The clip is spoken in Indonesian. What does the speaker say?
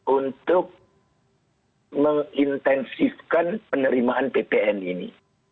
untuk mengintensifkan penerimaan ppn ini